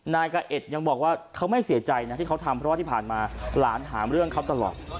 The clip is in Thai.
นายกะเอ็ดยังบอกว่าเขาไม่เสียใจนะที่เขาทำเพราะว่าที่ผ่านมาหลานหาเรื่องเขาตลอด